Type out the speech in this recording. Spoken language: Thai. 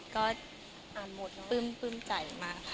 ก็พึ่มจ่ายมากค่ะ